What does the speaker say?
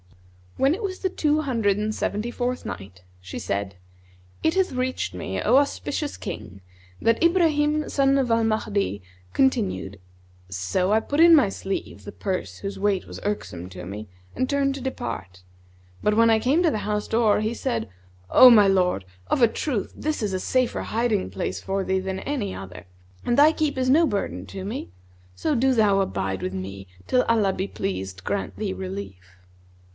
When it was the Two Hundred and Seventy fourth Night, She said, It hath reached me, O auspicious King, that Ibrahim son of Al Mahdi continued, "So I put in my sleeve the purse whose weight was irksome to me; and turned to depart, but when I came to the house door he said, 'O my lord, of a truth this is a safer hiding place for thee than any other, and thy keep is no burden to me; so do thou abide with me, till Allah be pleased grant thee relief.'